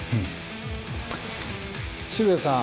渋谷さん。